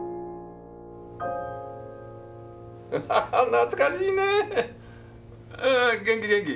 懐かしいねうんうん元気元気。